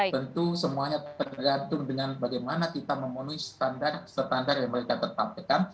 tentu semuanya tergantung dengan bagaimana kita memenuhi standar standar yang mereka tetapkan